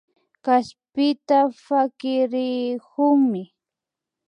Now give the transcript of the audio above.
Kaspita pakirikunmi